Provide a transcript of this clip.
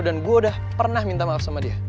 dan gue udah pernah minta maaf sama dia